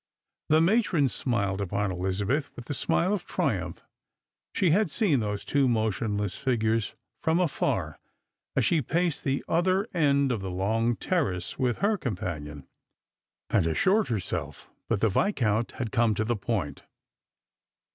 The matron smiled upon Ehzabeth with the smile of triumph; she had seen wiose two motionless figures from atar as she paced the other end of the long terrace with her companion, and assured herself that the Viscount had come to the point.